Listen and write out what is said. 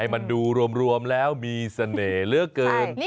มันดูรวมแล้วมีเสน่ห์เหลือเกิน